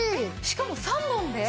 しかも３本で？